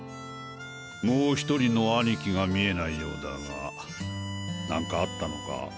もう１人の兄貴が見えないようだが何かあったのか？